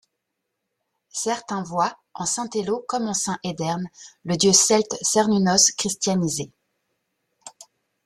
Certains voient en saint Théleau, comme en saint Edern, le dieu celte Cernunnos christianisé.